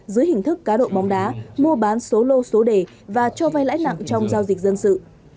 dưới hình thức cá độ bóng đá mua bán số lô số đề và cho vay lãi nặng trong giao dịch dân sự